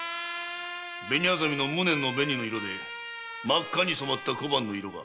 紅薊の無念の紅の色で真っ赤に染まった小判の色が。